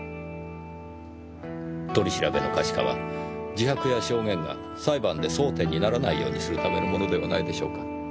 取り調べの可視化は自白や証言が裁判で争点にならないようにするためのものではないでしょうか。